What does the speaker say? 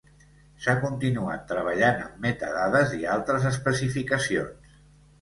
S'ha continuat treballant amb metadades i altres especificacions.